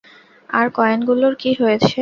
আর কয়েনগুলোর কী হয়েছে?